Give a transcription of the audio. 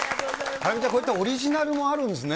ハラミちゃん、こういったオリジナルもあるんですね。